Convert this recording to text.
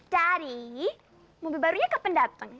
daddy mobil barunya kapan datang